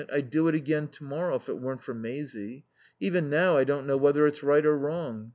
I'd do it again to morrow if it weren't for Maisie. Even now I don't know whether it's right or wrong.